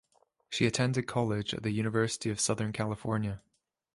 She attended college at the University of Southern California.